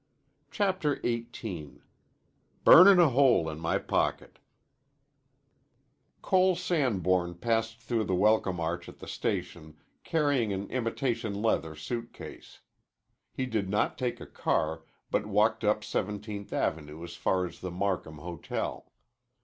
CHAPTER XVIII "BURNIN' A HOLE IN MY POCKET" Cole Sanborn passed through the Welcome Arch at the station carrying an imitation leather suitcase. He did not take a car, but walked up Seventeenth Avenue as far as the Markham Hotel.